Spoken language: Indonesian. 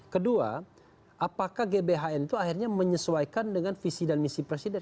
kedua apakah gbhn itu akhirnya menyesuaikan dengan visi dan misi presiden